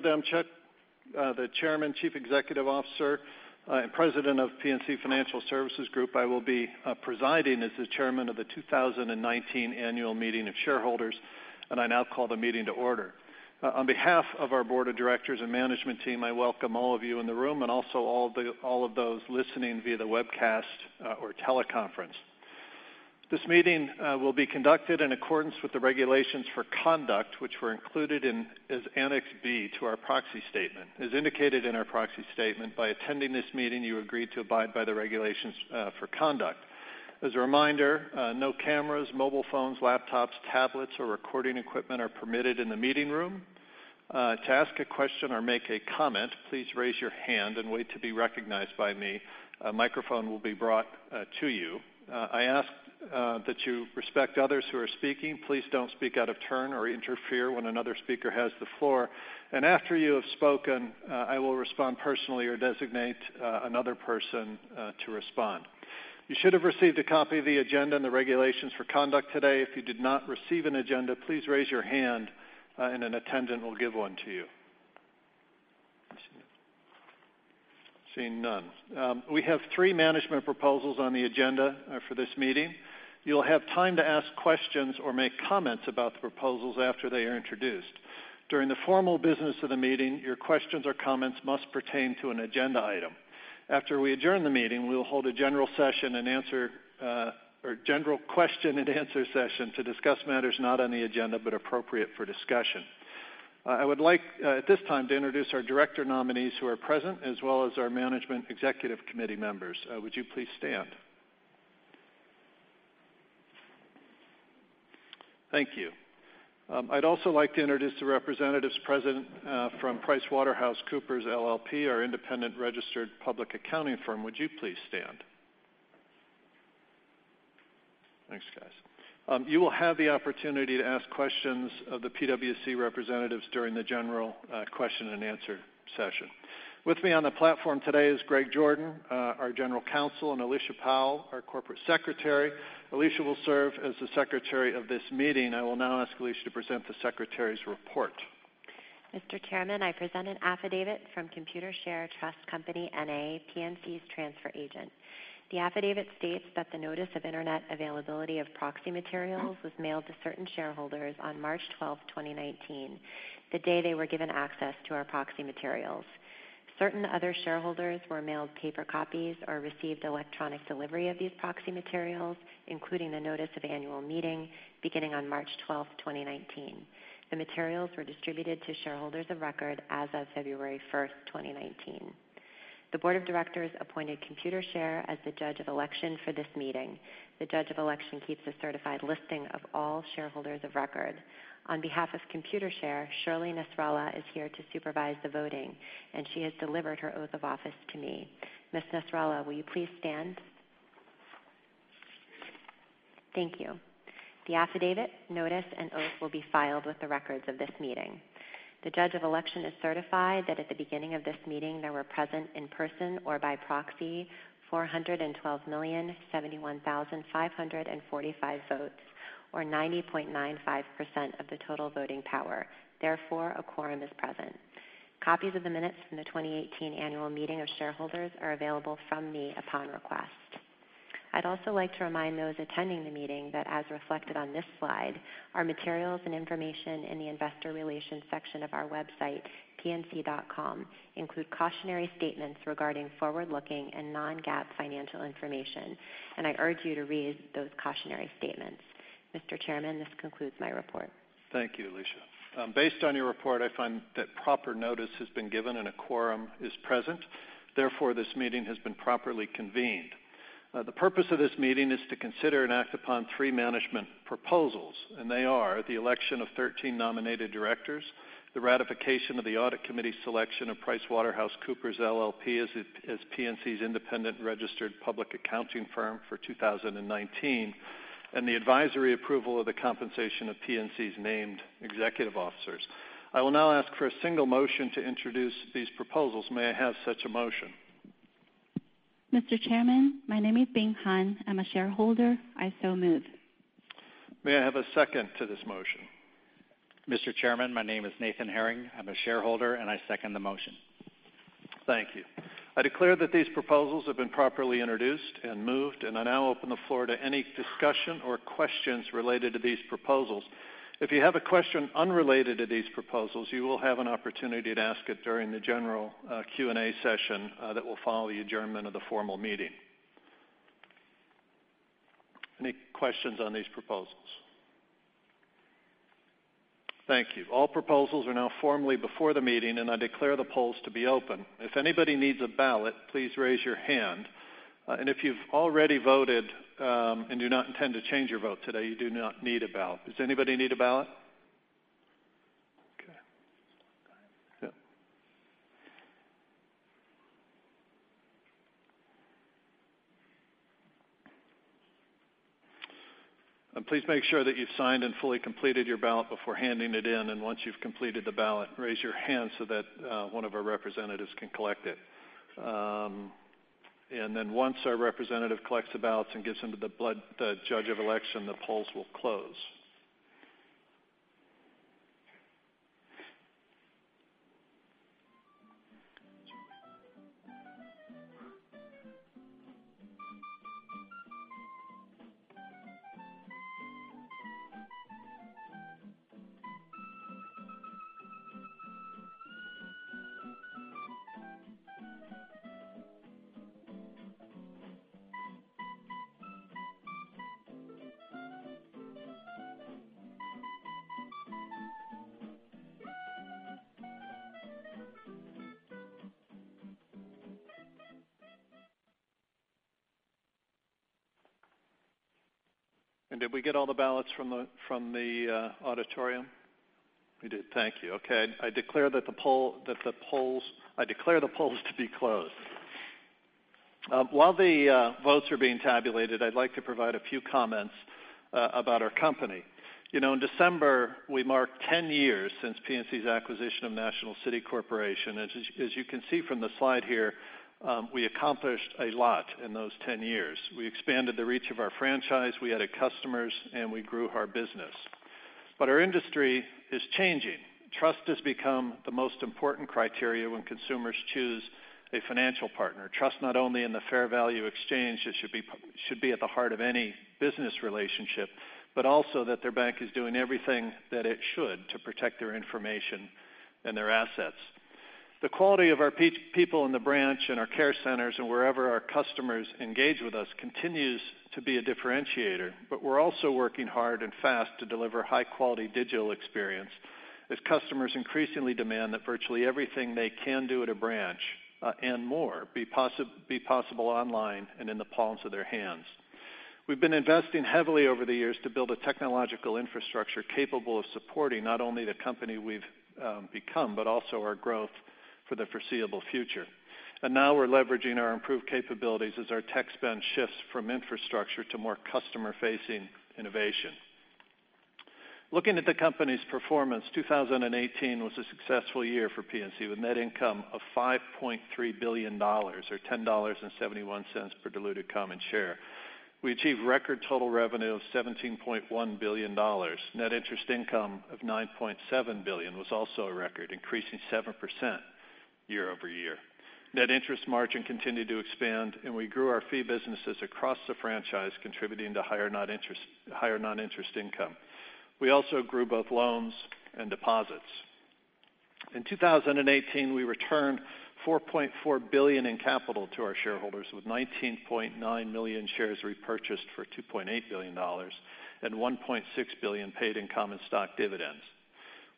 Bill Demchak, the Chairman, Chief Executive Officer, and President of PNC Financial Services Group. I will be presiding as the chairman of the 2019 annual meeting of shareholders. I now call the meeting to order. On behalf of our board of directors and management team, I welcome all of you in the room, also all of those listening via the webcast or teleconference. This meeting will be conducted in accordance with the regulations for conduct, which were included as Annex B to our proxy statement. As indicated in our proxy statement, by attending this meeting, you agree to abide by the regulations for conduct. As a reminder, no cameras, mobile phones, laptops, tablets, or recording equipment are permitted in the meeting room. To ask a question or make a comment, please raise your hand and wait to be recognized by me. A microphone will be brought to you. I ask that you respect others who are speaking. Please don't speak out of turn or interfere when another speaker has the floor. After you have spoken, I will respond personally or designate another person to respond. You should have received a copy of the agenda and the regulations for conduct today. If you did not receive an agenda, please raise your hand and an attendant will give one to you. I'm seeing none. We have three management proposals on the agenda for this meeting. You'll have time to ask questions or make comments about the proposals after they are introduced. During the formal business of the meeting, your questions or comments must pertain to an agenda item. After we adjourn the meeting, we will hold a general question and answer session to discuss matters not on the agenda but appropriate for discussion. I would like at this time to introduce our director nominees who are present, as well as our management executive committee members. Would you please stand? Thank you. I'd also like to introduce the representatives present from PricewaterhouseCoopers LLP, our independent registered public accounting firm. Would you please stand? Thanks, guys. You will have the opportunity to ask questions of the PwC representatives during the general question and answer session. With me on the platform today is Greg Jordan, our General Counsel, and Alicia Powell, our Corporate Secretary. Alicia will serve as the secretary of this meeting. I will now ask Alicia to present the secretary's report. Mr. Chairman, I present an affidavit from Computershare Trust Company, N.A., PNC's transfer agent. The affidavit states that the notice of internet availability of proxy materials was mailed to certain shareholders on March 12, 2019, the day they were given access to our proxy materials. Certain other shareholders were mailed paper copies or received electronic delivery of these proxy materials, including the notice of annual meeting beginning on March 12, 2019. The materials were distributed to shareholders of record as of February 1, 2019. The board of directors appointed Computershare as the judge of election for this meeting. The judge of election keeps a certified listing of all shareholders of record. On behalf of Computershare, Shirley Nasralla is here to supervise the voting. She has delivered her oath of office to me. Ms. Nasralla, will you please stand? Thank you. The affidavit, notice, and oath will be filed with the records of this meeting. The judge of election has certified that at the beginning of this meeting, there were present in person or by proxy 412,071,545 votes, or 90.95% of the total voting power. Therefore, a quorum is present. Copies of the minutes from the 2018 annual meeting of shareholders are available from me upon request. I'd also like to remind those attending the meeting that, as reflected on this slide, our materials and information in the investor relations section of our website, pnc.com, include cautionary statements regarding forward-looking and non-GAAP financial information, and I urge you to read those cautionary statements. Mr. Chairman, this concludes my report. Thank you, Alicia. Based on your report, I find that proper notice has been given and a quorum is present. Therefore, this meeting has been properly convened. The purpose of this meeting is to consider and act upon three management proposals. They are the election of 13 nominated directors, the ratification of the audit committee's selection of PricewaterhouseCoopers LLP as PNC's independent registered public accounting firm for 2019, and the advisory approval of the compensation of PNC's named executive officers. I will now ask for a single motion to introduce these proposals. May I have such a motion? Mr. Chairman, my name is Bing Han. I'm a shareholder. I so move. May I have a second to this motion? Mr. Chairman, my name is Nathan Herring. I'm a shareholder, and I second the motion. Thank you. I declare that these proposals have been properly introduced and moved, and I now open the floor to any discussion or questions related to these proposals. If you have a question unrelated to these proposals, you will have an opportunity to ask it during the general Q&A session that will follow the adjournment of the formal meeting. Any questions on these proposals? Thank you. All proposals are now formally before the meeting, and I declare the polls to be open. If anybody needs a ballot, please raise your hand. If you've already voted and do not intend to change your vote today, you do not need a ballot. Does anybody need a ballot? Okay. Yep. Please make sure that you've signed and fully completed your ballot before handing it in. Once you've completed the ballot, raise your hand so that one of our representatives can collect it. Then once our representative collects the ballots and gets them to the judge of election, the polls will close. Did we get all the ballots from the auditorium? We did. Thank you. Okay. I declare the polls to be closed. While the votes are being tabulated, I'd like to provide a few comments about our company. In December, we marked 10 years since PNC's acquisition of National City Corporation. As you can see from the slide here, we accomplished a lot in those 10 years. We expanded the reach of our franchise, we added customers, and we grew our business. Our industry is changing. Trust has become the most important criteria when consumers choose a financial partner. Trust not only in the fair value exchange that should be at the heart of any business relationship, but also that their bank is doing everything that it should to protect their information and their assets. The quality of our people in the branch and our care centers and wherever our customers engage with us continues to be a differentiator, but we're also working hard and fast to deliver high-quality digital experience as customers increasingly demand that virtually everything they can do at a branch, and more, be possible online and in the palms of their hands. We've been investing heavily over the years to build a technological infrastructure capable of supporting not only the company we've become, but also our growth for the foreseeable future. Now we're leveraging our improved capabilities as our tech spend shifts from infrastructure to more customer-facing innovation. Looking at the company's performance, 2018 was a successful year for PNC, with net income of $5.3 billion, or $10.71 per diluted common share. We achieved record total revenue of $17.1 billion. Net interest income of $9.7 billion was also a record, increasing 7% year-over-year. Net interest margin continued to expand, and we grew our fee businesses across the franchise, contributing to higher non-interest income. We also grew both loans and deposits. In 2018, we returned $4.4 billion in capital to our shareholders, with 19.9 million shares repurchased for $2.8 billion and $1.6 billion paid in common stock dividends.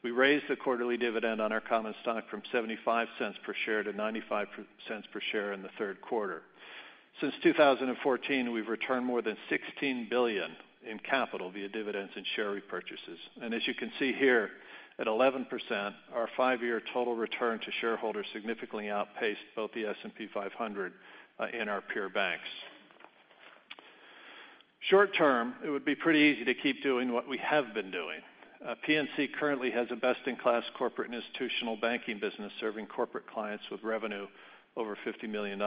We raised the quarterly dividend on our common stock from $0.75 per share to $0.95 per share in the third quarter. Since 2014, we've returned more than $16 billion in capital via dividends and share repurchases. As you can see here, at 11%, our five-year total return to shareholders significantly outpaced both the S&P 500 and our peer banks. Short term, it would be pretty easy to keep doing what we have been doing. PNC currently has a best-in-class corporate and institutional banking business serving corporate clients with revenue over $50 million.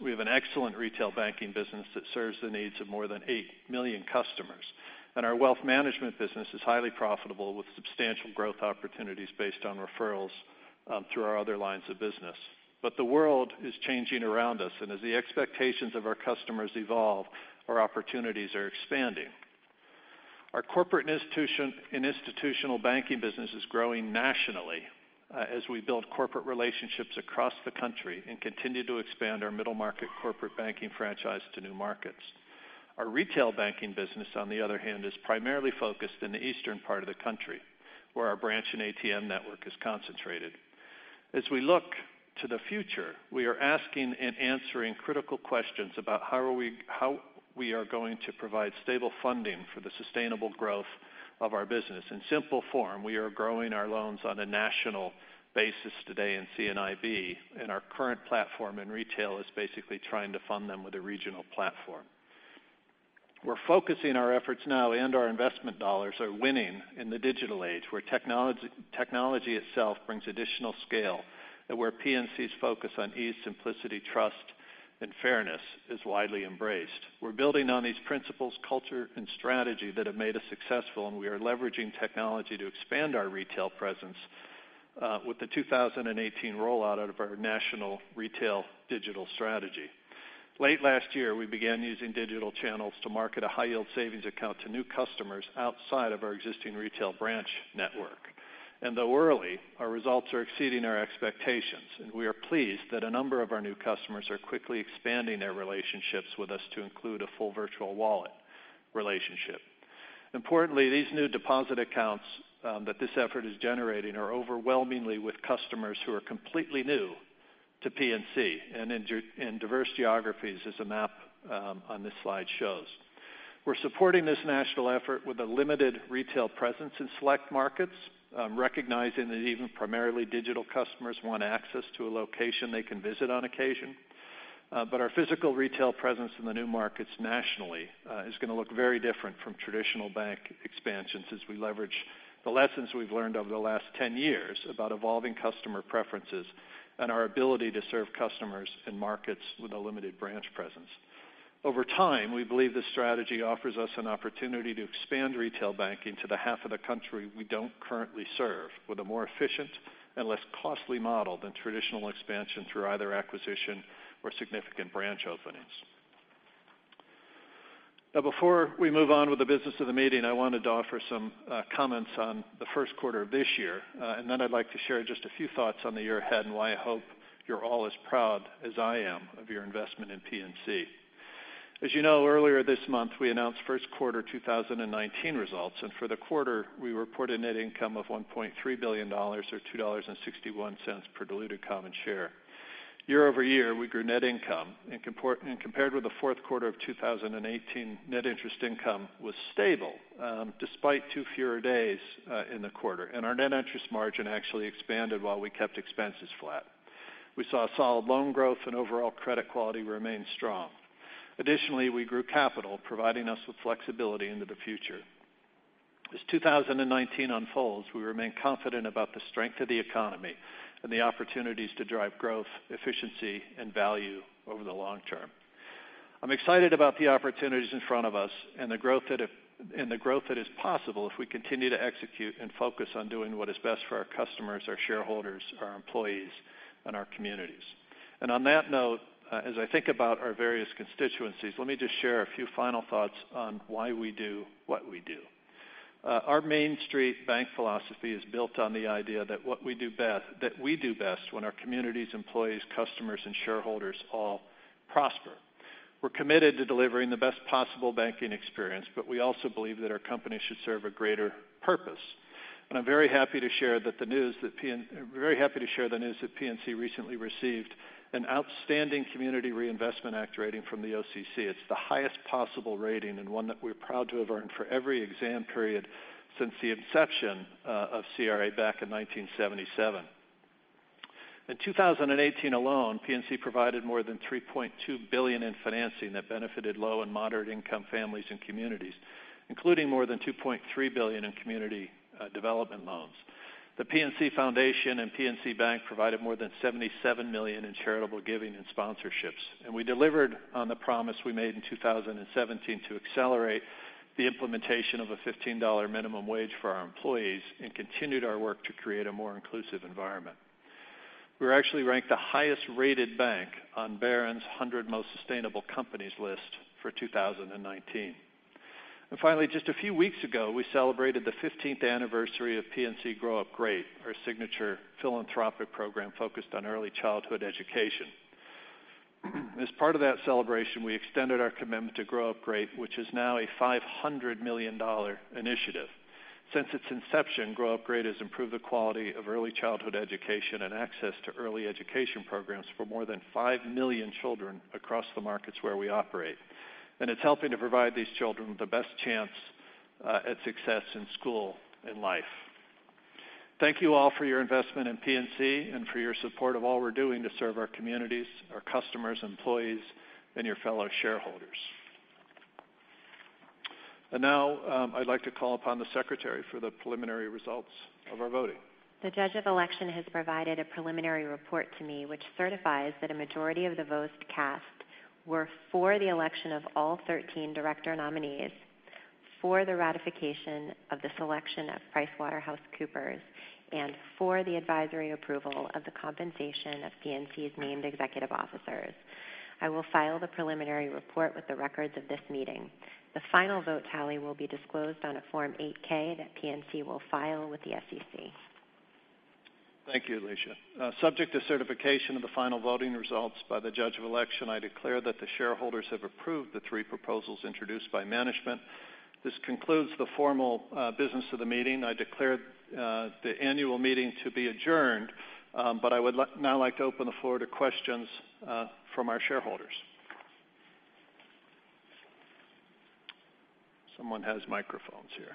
We have an excellent retail banking business that serves the needs of more than eight million customers. Our wealth management business is highly profitable, with substantial growth opportunities based on referrals through our other lines of business. The world is changing around us, and as the expectations of our customers evolve, our opportunities are expanding. Our corporate and institutional banking business is growing nationally as we build corporate relationships across the country and continue to expand our middle-market corporate banking franchise to new markets. Our retail banking business, on the other hand, is primarily focused in the eastern part of the country, where our branch and ATM network is concentrated. As we look to the future, we are asking and answering critical questions about how we are going to provide stable funding for the sustainable growth of our business. In simple form, we are growing our loans on a national basis today in CIB, and our current platform in retail is basically trying to fund them with a regional platform. We're focusing our efforts now and our investment dollars are winning in the digital age, where technology itself brings additional scale, and where PNC's focus on ease, simplicity, trust, and fairness is widely embraced. We're building on these principles, culture, and strategy that have made us successful, and we are leveraging technology to expand our retail presence with the 2018 rollout of our national retail digital strategy. Late last year, we began using digital channels to market a high-yield savings account to new customers outside of our existing retail branch network. Though early, our results are exceeding our expectations, and we are pleased that a number of our new customers are quickly expanding their relationships with us to include a full Virtual Wallet relationship. Importantly, these new deposit accounts that this effort is generating are overwhelmingly with customers who are completely new to PNC and in diverse geographies, as the map on this slide shows. We're supporting this national effort with a limited retail presence in select markets, recognizing that even primarily digital customers want access to a location they can visit on occasion. Our physical retail presence in the new markets nationally is going to look very different from traditional bank expansions as we leverage the lessons we've learned over the last 10 years about evolving customer preferences and our ability to serve customers in markets with a limited branch presence. Over time, we believe this strategy offers us an opportunity to expand retail banking to the half of the country we don't currently serve, with a more efficient and less costly model than traditional expansion through either acquisition or significant branch openings. Before we move on with the business of the meeting, I wanted to offer some comments on the first quarter of this year, and then I'd like to share just a few thoughts on the year ahead and why I hope you're all as proud as I am of your investment in PNC. As you know, earlier this month, we announced first quarter 2019 results, and for the quarter, we reported net income of $1.3 billion, or $2.61 per diluted common share. Year-over-year, we grew net income. Compared with the fourth quarter of 2018, net interest income was stable despite two fewer days in the quarter, and our net interest margin actually expanded while we kept expenses flat. We saw solid loan growth and overall credit quality remain strong. Additionally, we grew capital, providing us with flexibility into the future. As 2019 unfolds, we remain confident about the strength of the economy and the opportunities to drive growth, efficiency, and value over the long term. I'm excited about the opportunities in front of us and the growth that is possible if we continue to execute and focus on doing what is best for our customers, our shareholders, our employees, and our communities. On that note, as I think about our various constituencies, let me just share a few final thoughts on why we do what we do. Our Main Street bank philosophy is built on the idea that we do best when our communities, employees, customers, and shareholders all prosper. We're committed to delivering the best possible banking experience, but we also believe that our company should serve a greater purpose. I'm very happy to share the news that PNC recently received an outstanding Community Reinvestment Act rating from the OCC. It's the highest possible rating and one that we're proud to have earned for every exam period since the inception of CRA back in 1977. In 2018 alone, PNC provided more than $3.2 billion in financing that benefited low and moderate income families and communities, including more than $2.3 billion in community development loans. The PNC Foundation and PNC Bank provided more than $77 million in charitable giving and sponsorships. We delivered on the promise we made in 2017 to accelerate the implementation of a $15 minimum wage for our employees and continued our work to create a more inclusive environment. We were actually ranked the highest rated bank on Barron's 100 Most Sustainable Companies list for 2019. Finally, just a few weeks ago, we celebrated the 15th anniversary of PNC Grow Up Great, our signature philanthropic program focused on early childhood education. As part of that celebration, we extended our commitment to Grow Up Great, which is now a $500 million initiative. Since its inception, Grow Up Great has improved the quality of early childhood education and access to early education programs for more than five million children across the markets where we operate. It's helping to provide these children with the best chance at success in school and life. Thank you all for your investment in PNC and for your support of all we're doing to serve our communities, our customers, employees, and your fellow shareholders. Now, I'd like to call upon the secretary for the preliminary results of our voting. The Judge of Election has provided a preliminary report to me which certifies that a majority of the votes cast were for the election of all 13 director nominees, for the ratification of the selection of PricewaterhouseCoopers, and for the advisory approval of the compensation of PNC's named executive officers. I will file the preliminary report with the records of this meeting. The final vote tally will be disclosed on a Form 8-K that PNC will file with the SEC. Thank you, Alicia. Subject to certification of the final voting results by the Judge of Election, I declare that the shareholders have approved the three proposals introduced by management. This concludes the formal business of the meeting. I declare the annual meeting to be adjourned. I would now like to open the floor to questions from our shareholders. Someone has microphones here.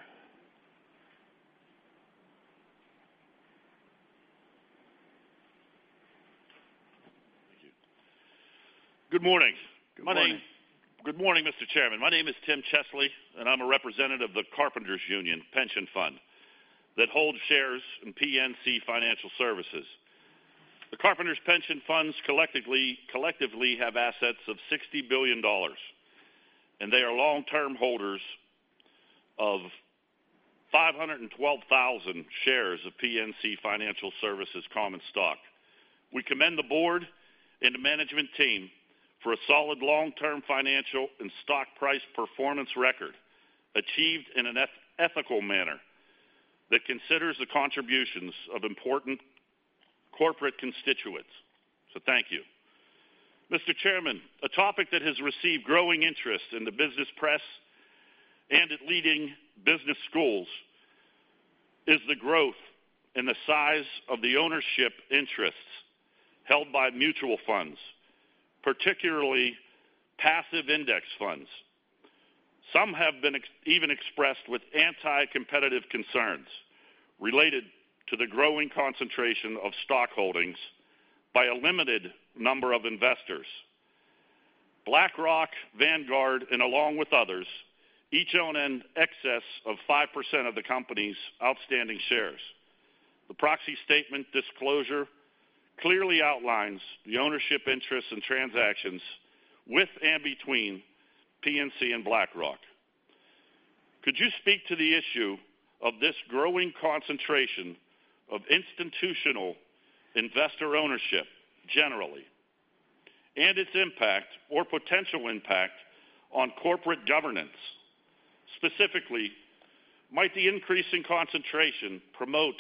Thank you. Good morning. Good morning. Good morning, Mr. Chairman. My name is Tim Chesley, and I'm a representative of the Carpenters Union Pension Fund that holds shares in PNC Financial Services. The Carpenters' pension funds collectively have assets of $60 billion, and they are long-term holders of 512,000 shares of PNC Financial Services common stock. We commend the board and the management team for a solid long-term financial and stock price performance record achieved in an ethical manner that considers the contributions of important corporate constituents, so thank you. Mr. Chairman, a topic that has received growing interest in the business press and at leading business schools is the growth in the size of the ownership interests held by mutual funds, particularly passive index funds. Some have been even expressed with anti-competitive concerns related to the growing concentration of stock holdings by a limited number of investors. BlackRock, Vanguard, and along with others, each own in excess of 5% of the company's outstanding shares. The proxy statement disclosure clearly outlines the ownership interests and transactions with and between PNC and BlackRock. Could you speak to the issue of this growing concentration of institutional investor ownership generally and its impact or potential impact on corporate governance? Specifically, might the increase in concentration promote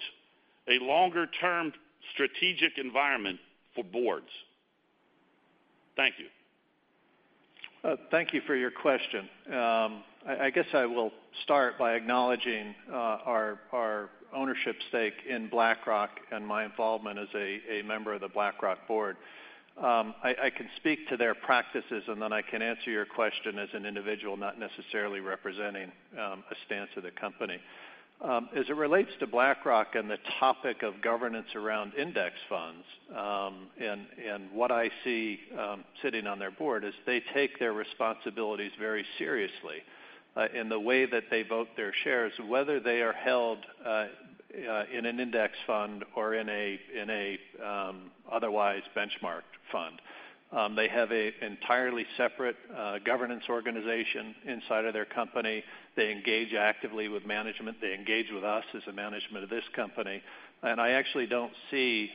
a longer-term strategic environment for boards? Thank you. Thank you for your question. I guess I will start by acknowledging our ownership stake in BlackRock and my involvement as a member of the BlackRock board. Then I can answer your question as an individual, not necessarily representing a stance of the company. As it relates to BlackRock and the topic of governance around index funds, what I see sitting on their board, is they take their responsibilities very seriously in the way that they vote their shares, whether they are held in an index fund or in an otherwise benchmarked fund. They have an entirely separate governance organization inside of their company. They engage actively with management. They engage with us as the management of this company. I actually don't see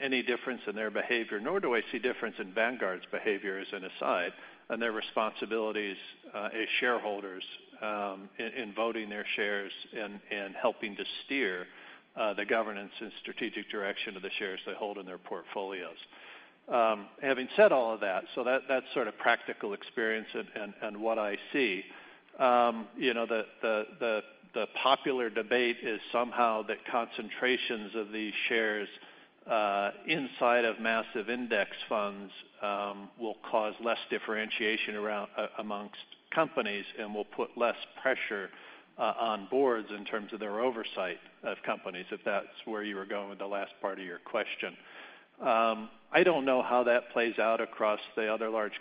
any difference in their behavior, nor do I see difference in Vanguard's behavior, as an aside, and their responsibilities as shareholders in voting their shares and helping to steer the governance and strategic direction of the shares they hold in their portfolios. Having said all of that, so that's sort of practical experience and what I see. The popular debate is somehow that concentrations of these shares inside of massive index funds will cause less differentiation amongst companies and will put less pressure on boards in terms of their oversight of companies, if that's where you were going with the last part of your question. I don't know how that plays out across the other large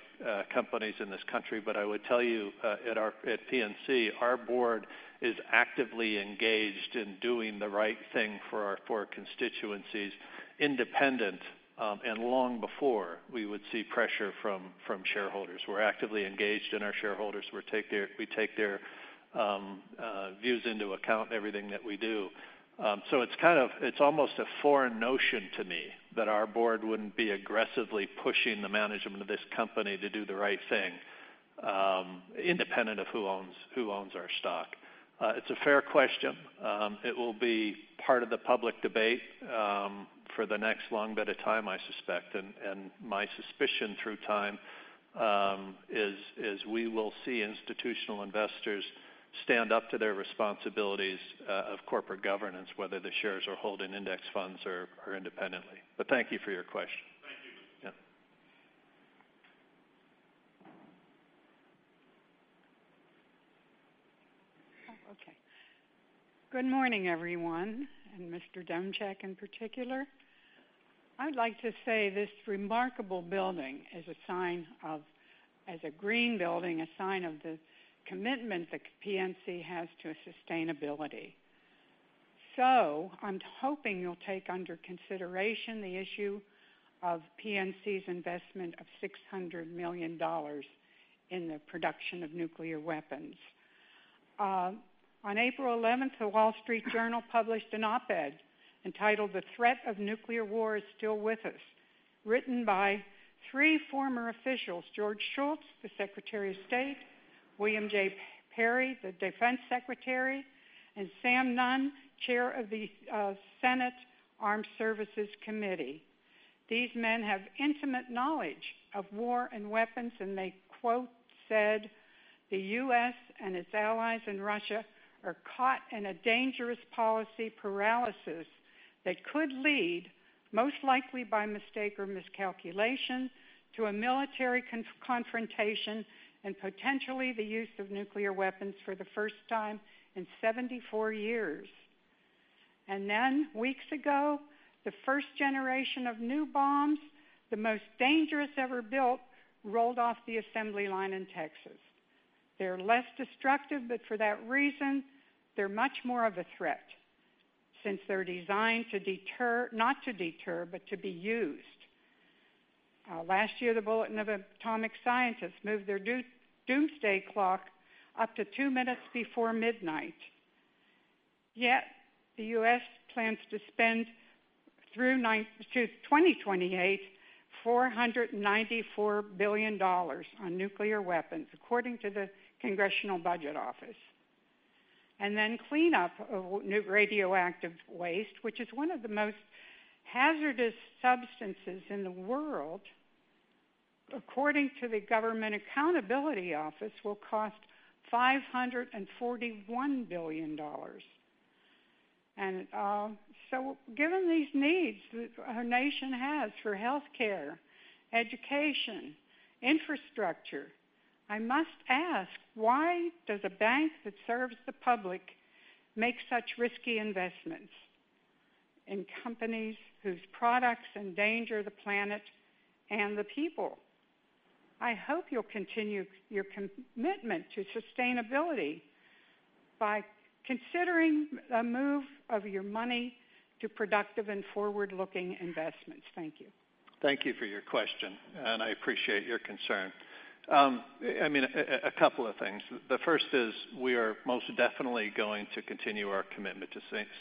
companies in this country. I would tell you, at PNC, our board is actively engaged in doing the right thing for our constituencies independent, and long before we would see pressure from shareholders. We're actively engaged in our shareholders. We take their views into account in everything that we do. It's almost a foreign notion to me that our board wouldn't be aggressively pushing the management of this company to do the right thing, independent of who owns our stock. It's a fair question. It will be part of the public debate for the next long bit of time, I suspect. My suspicion through time is we will see institutional investors stand up to their responsibilities of corporate governance, whether the shares are held in index funds or independently. Thank you for your question. Thank you. Yeah. Good morning, everyone, and Mr. Demchak in particular. I would like to say this remarkable building, as a green building, a sign of the commitment that PNC has to sustainability. I'm hoping you'll take under consideration the issue of PNC's investment of $600 million in the production of nuclear weapons. On April 11th, The Wall Street Journal published an op-ed entitled "The Threat of Nuclear War Is Still With Us," written by three former officials, George Shultz, the Secretary of State, William J. Perry, the Defense Secretary, and Sam Nunn, Chair of the Senate Armed Services Committee. These men have intimate knowledge of war and weapons. They quote said, "The U.S. and its allies in Russia are caught in a dangerous policy paralysis that could lead, most likely by mistake or miscalculation, to a military confrontation and potentially the use of nuclear weapons for the first time in 74 years." Weeks ago, the first generation of new bombs, the most dangerous ever built, rolled off the assembly line in Texas. They're less destructive, but for that reason, they're much more of a threat since they're designed not to deter, but to be used. Last year, the Bulletin of the Atomic Scientists moved their Doomsday Clock up to two minutes before midnight. The U.S. plans to spend through 2028, $494 billion on nuclear weapons, according to the Congressional Budget Office. Clean up of radioactive waste, which is one of the most hazardous substances in the world, according to the Government Accountability Office, will cost $541 billion. Given these needs our nation has for healthcare, education, infrastructure, I must ask, why does a bank that serves the public make such risky investments in companies whose products endanger the planet and the people? I hope you'll continue your commitment to sustainability by considering a move of your money to productive and forward-looking investments. Thank you. Thank you for your question. I appreciate your concern. A couple of things. The first is we are most definitely going to continue our commitment to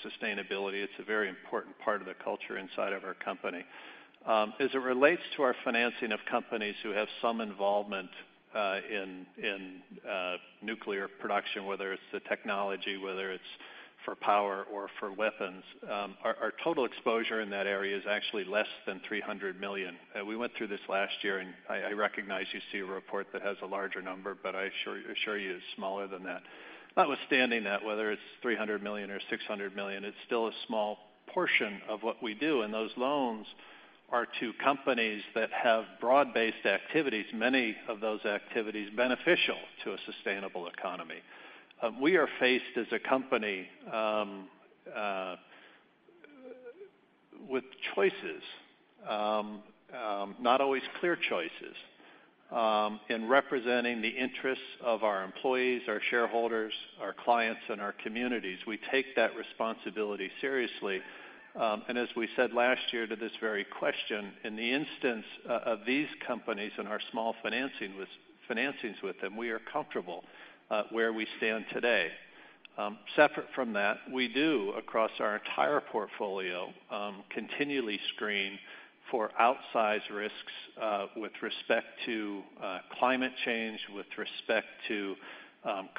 sustainability. It's a very important part of the culture inside of our company. As it relates to our financing of companies who have some involvement in nuclear production, whether it's the technology, whether it's for power or for weapons, our total exposure in that area is actually less than $300 million. We went through this last year, and I recognize you see a report that has a larger number, but I assure you it's smaller than that. Notwithstanding that, whether it's $300 million or $600 million, it's still a small portion of what we do, and those loans are to companies that have broad-based activities, many of those activities beneficial to a sustainable economy. We are faced, as a company, with choices, not always clear choices, in representing the interests of our employees, our shareholders, our clients, and our communities. We take that responsibility seriously. As we said last year to this very question, in the instance of these companies and our small financings with them, we are comfortable where we stand today. Separate from that, we do, across our entire portfolio, continually screen for outsized risks with respect to climate change, with respect to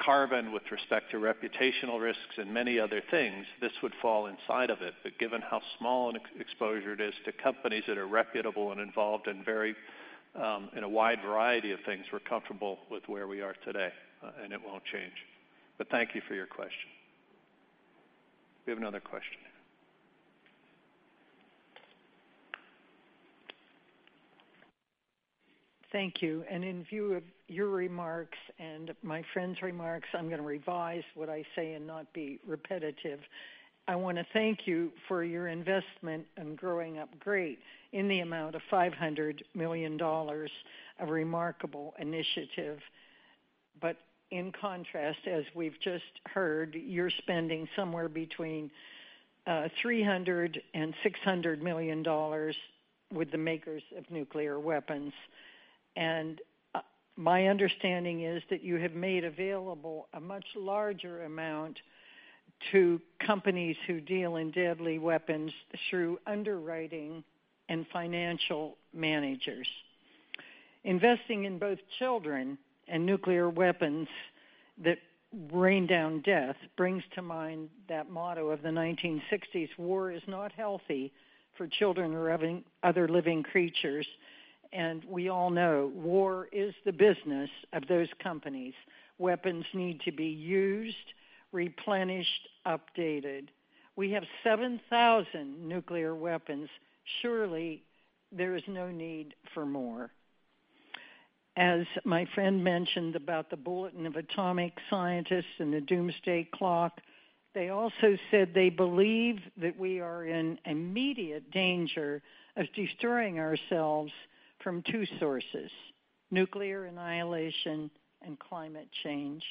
carbon, with respect to reputational risks, and many other things. This would fall inside of it. Given how small an exposure it is to companies that are reputable and involved in a wide variety of things, we're comfortable with where we are today, and it won't change. Thank you for your question. Do we have another question? Thank you. In view of your remarks and my friend's remarks, I'm going to revise what I say and not be repetitive. I want to thank you for your investment in Grow Up Great in the amount of $500 million, a remarkable initiative. In contrast, as we've just heard, you're spending somewhere between $300 million and $600 million with the makers of nuclear weapons. My understanding is that you have made available a much larger amount to companies who deal in deadly weapons through underwriting and financial managers. Investing in both children and nuclear weapons that rain down death brings to mind that motto of the 1960s, "War is not healthy for children or other living creatures." We all know war is the business of those companies. Weapons need to be used, replenished, updated. We have 7,000 nuclear weapons. Surely, there is no need for more. As my friend mentioned about the Bulletin of the Atomic Scientists and the Doomsday Clock, they also said they believe that we are in immediate danger of destroying ourselves from two sources, nuclear annihilation and climate change.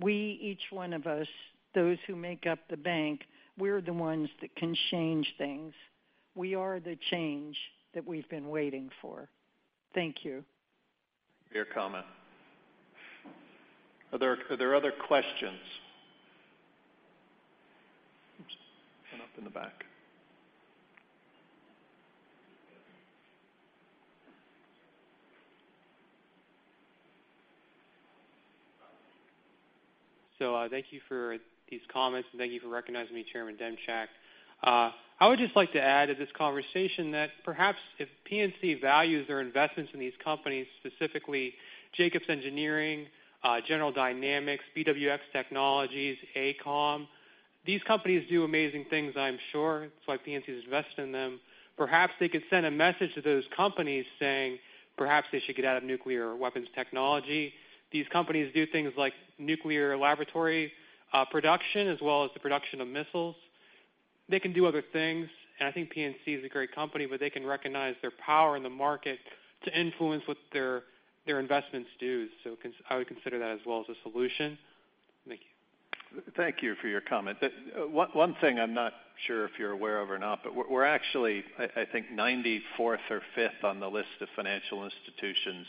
We, each one of us, those who make up the bank, we're the ones that can change things. We are the change that we've been waiting for. Thank you. Fair comment. Are there other questions? Oops. One up in the back. Thank you for these comments, and thank you for recognizing me, Chairman Demchak. I would just like to add to this conversation that perhaps if PNC values their investments in these companies, specifically Jacobs Engineering, General Dynamics, BWX Technologies, AECOM. These companies do amazing things, I'm sure. That's why PNC has invested in them. Perhaps they could send a message to those companies saying perhaps they should get out of nuclear weapons technology. These companies do things like nuclear laboratory production as well as the production of missiles. They can do other things. I think PNC is a great company, but they can recognize their power in the market to influence what their investments do. I would consider that as well as a solution. Thank you. Thank you for your comment. One thing I'm not sure if you're aware of or not, but we're actually, I think, 94th or 95th on the list of financial institutions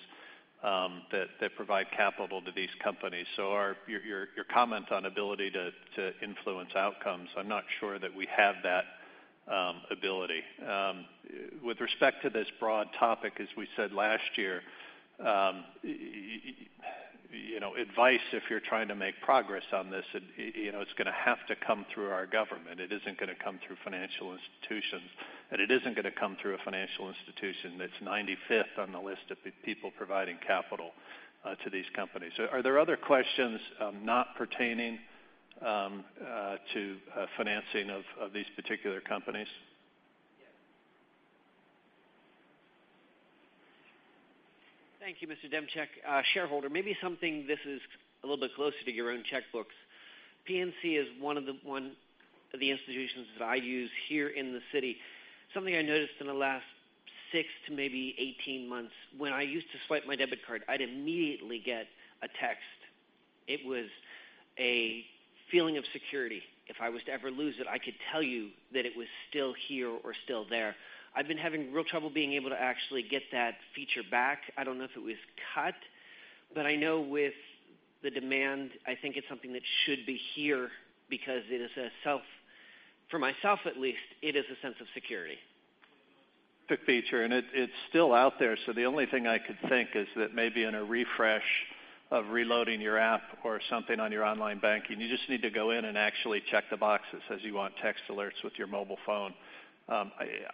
that provide capital to these companies. Your comment on ability to influence outcomes, I'm not sure that we have that ability. With respect to this broad topic, as we said last year, advice if you're trying to make progress on this, it's going to have to come through our government. It isn't going to come through financial institutions, and it isn't going to come through a financial institution that's 95th on the list of people providing capital to these companies. Are there other questions not pertaining to financing of these particular companies? Thank you, Mr. Demchak. Shareholder. Maybe something this is a little bit closer to your own checkbooks. PNC is one of the institutions that I use here in the city. Something I noticed in the last six to maybe 18 months, when I used to swipe my debit card, I'd immediately get a text. It was a feeling of security. If I was to ever lose it, I could tell you that it was still here or still there. I've been having real trouble being able to actually get that feature back. I don't know if it was cut, but I know with the demand, I think it's something that should be here because, for myself at least, it is a sense of security. Good feature. It's still out there. The only thing I could think is that maybe in a refresh of reloading your app or something on your online banking, you just need to go in and actually check the box that says you want text alerts with your mobile phone. I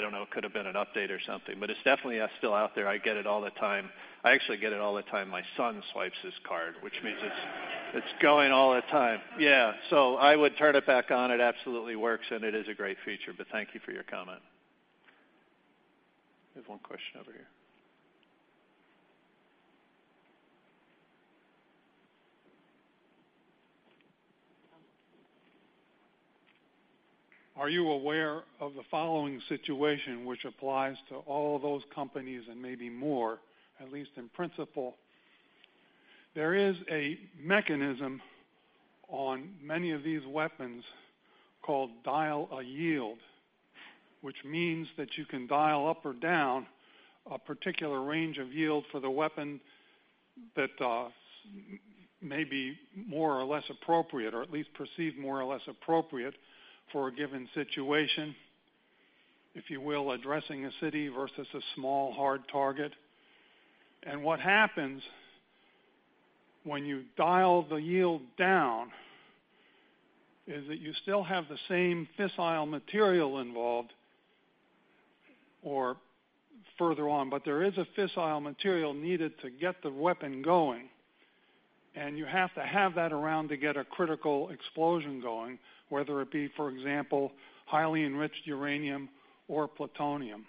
don't know. It could've been an update or something, but it's definitely still out there. I get it all the time. I actually get it all the time my son swipes his card, which means it's going all the time. Yeah. I would turn it back on. It absolutely works, and it is a great feature. Thank you for your comment. We have one question over here. Are you aware of the following situation, which applies to all those companies and maybe more, at least in principle? There is a mechanism on many of these weapons called dial-a-yield, which means that you can dial up or down a particular range of yield for the weapon that may be more or less appropriate, or at least perceived more or less appropriate for a given situation, if you will, addressing a city versus a small, hard target. What happens when you dial the yield down is that you still have the same fissile material involved or further on, but there is a fissile material needed to get the weapon going, and you have to have that around to get a critical explosion going, whether it be, for example, highly enriched uranium or plutonium.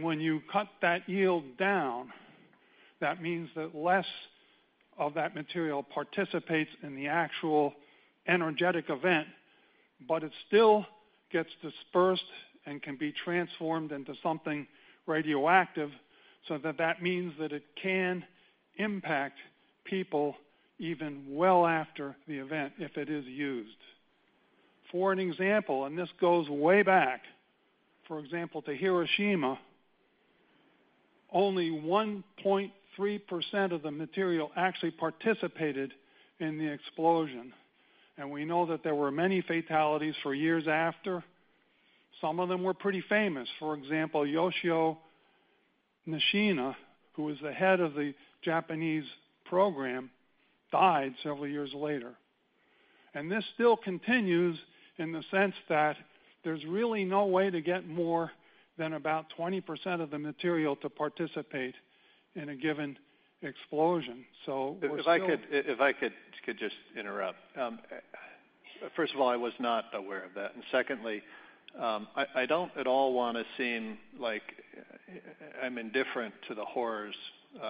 When you cut that yield down, that means that less of that material participates in the actual energetic event, but it still gets dispersed and can be transformed into something radioactive, so that means that it can impact people even well after the event if it is used. For an example, this goes way back, for example, to Hiroshima, only 1.3% of the material actually participated in the explosion, and we know that there were many fatalities for years after. Some of them were pretty famous. For example, Yoshio Nishina, who was the head of the Japanese program, died several years later. This still continues in the sense that there's really no way to get more than about 20% of the material to participate in a given explosion. We're still. If I could just interrupt. First of all, I was not aware of that. Secondly, I don't at all want to seem like I'm indifferent to the horrors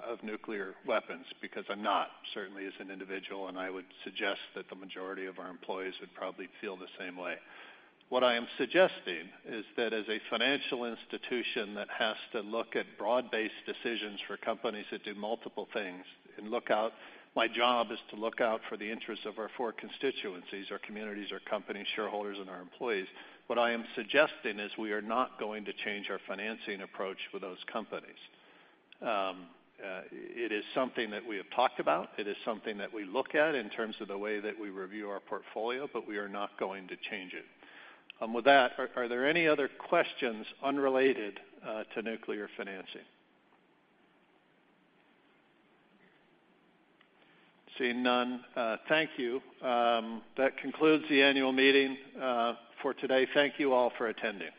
of nuclear weapons, because I'm not, certainly as an individual, and I would suggest that the majority of our employees would probably feel the same way. What I am suggesting is that as a financial institution that has to look at broad-based decisions for companies that do multiple things, my job is to look out for the interests of our four constituencies, our communities, our company shareholders, and our employees. What I am suggesting is we are not going to change our financing approach with those companies. It is something that we have talked about. It is something that we look at in terms of the way that we review our portfolio, but we are not going to change it. With that, are there any other questions unrelated to nuclear financing? Seeing none, thank you. That concludes the annual meeting for today. Thank you all for attending.